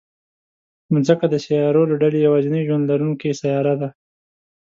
مځکه د سیارو له ډلې یوازینۍ ژوند لرونکې سیاره ده.